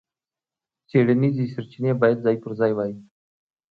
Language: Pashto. څېړنیزې سرچینې باید ځای پر ځای وای.